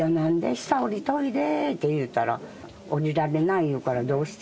下、下りといで言うたら、下りられない言うから、どうして？